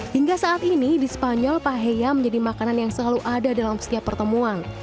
hingga saat ini di spanyol paheya menjadi makanan yang selalu ada dalam setiap pertemuan